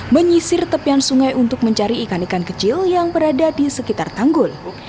menyisir tepian sungai untuk mencari ikan ikan kecil yang berada di sekitar tanggul